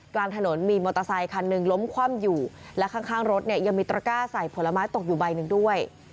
กลางถนนมีมอเตอร์ไซคันหนึ่งล้มคว่ำอยู่และข้างรถเนี่ยยังมีตระก้าใส่ผลไม้ตกอยู่ใบหนึ่งด้วย